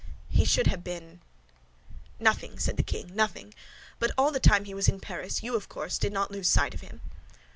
"He should have been—?" "Nothing," said the king, "nothing. But all the time he was in Paris, you, of course, did not lose sight of him?"